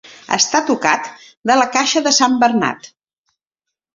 Estar tocat de la caixa de sant Bernat.